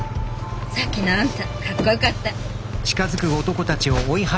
さっきのあんたかっこよかった。